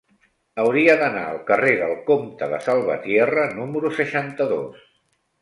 Hauria d'anar al carrer del Comte de Salvatierra número seixanta-dos.